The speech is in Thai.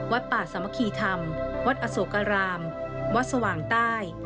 ป่าสามัคคีธรรมวัดอโศกรามวัดสว่างใต้